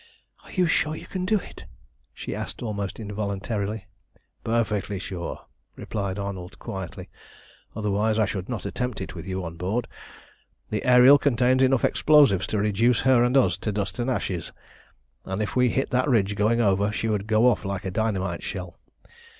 "Are you sure you can do it?" she asked almost involuntarily. "Perfectly sure," replied Arnold quietly, "otherwise I should not attempt it with you on board. The Ariel contains enough explosives to reduce her and us to dust and ashes, and if we hit that ridge going over, she would go off like a dynamite shell.